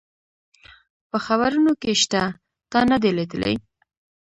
په خبرونو کي شته، تا نه دي لیدلي؟